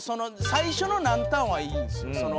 最初の何ターンはいいんですよ。